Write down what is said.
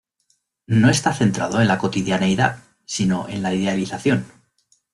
No está centrado en la cotidianeidad, si no en la idealización.